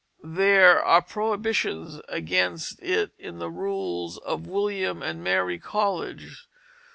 There are prohibitions against it in the rules of William and Mary College.